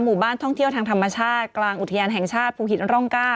หมู่บ้านท่องเที่ยวทางธรรมชาติกลางอุทยานแห่งชาติภูหินร่อง๙